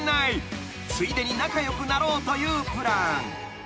［ついでに仲良くなろうというプラン］